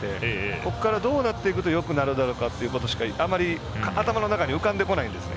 ここからどうやったらよくなるのかということしかあまり頭の中に浮かんでこないんです。